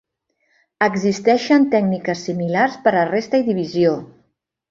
Existeixen tècniques similars per a resta i divisió.